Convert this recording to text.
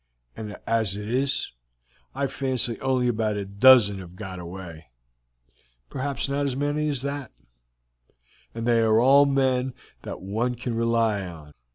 As it is, I fancy only about a dozen have got away, perhaps not as many as that, and they are all men that one can rely upon.